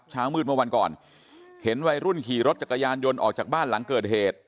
เช้ามืดเมื่อวันก่อนเห็นวัยรุ่นขี่รถจักรยานยนต์ออกจากบ้านหลังเกิดเหตุ